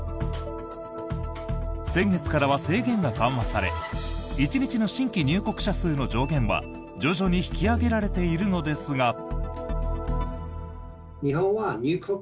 先月からは制限が緩和され１日の新規入国者数の上限は徐々に引き上げられているのですが。